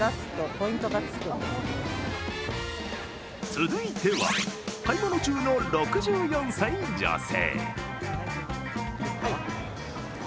続いては、買い物中の６４歳女性。